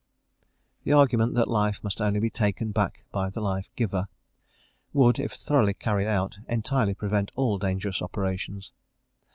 The argument that life must only be taken back by the life giver, would, if thoroughly carried out, entirely prevent all dangerous operations.